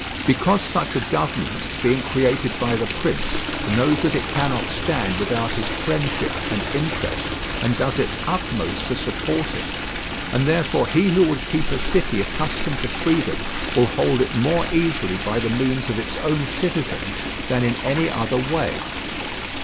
Because such a government, being created by the prince, knows that it cannot stand without his friendship and interest, and does its utmost to support him; and therefore he who would keep a city accustomed to freedom will hold it more easily by the means of its own citizens than in any other way.